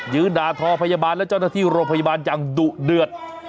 ด่าทอพยาบาลและเจ้าหน้าที่โรงพยาบาลอย่างดุเดือด